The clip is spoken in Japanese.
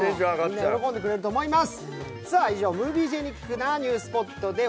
みんな喜んでくれると思います。